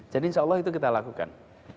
insya allah itu kita lakukan